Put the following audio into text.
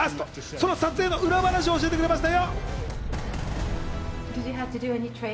その撮影の裏話を教えてくれましたよ。